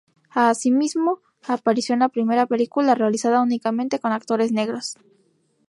Así mismo, apareció en la primera película realizada únicamente con actores negros.